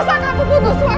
kamu bisa lompat ke jalan